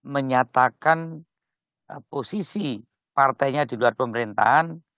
menyatakan posisi partainya di luar pemerintahan